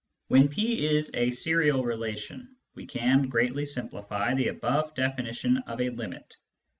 When P is a serial relation, we can greatly simplify the above definition of a limit.